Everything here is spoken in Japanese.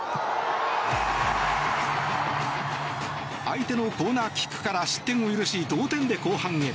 相手のコーナーキックから失点を許し、同点で後半へ。